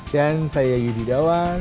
dan saya yudi dawan